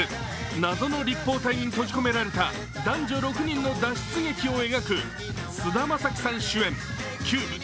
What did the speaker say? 謎の立方体に閉じ込められた男女６人の脱出劇を描く菅田将暉さん主演「ＣＵＢＥ